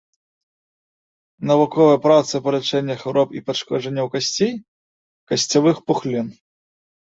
Навуковыя працы па лячэнні хвароб і пашкоджанняў касцей, касцявых пухлін.